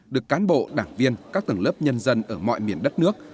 được cán bộ đảng viên các tầng lớp nhân dân ở mọi miền đất nước